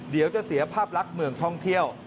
เดี๋ยวจะเสียภาพลักษณ์เมืองท่องเที่ยว